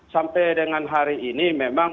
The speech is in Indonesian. sampai dengan hari ini memang